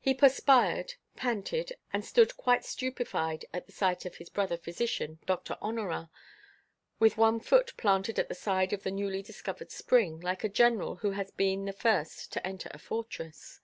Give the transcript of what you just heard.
He perspired, panted, and stood quite stupefied at the sight of his brother physician, Doctor Honorat, with one foot planted at the side of the newly discovered spring, like a general who has been the first to enter a fortress.